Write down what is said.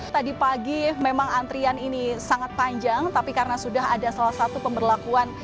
tadi pagi memang antrian ini sangat panjang tapi karena sudah ada salah satu pemberlakuan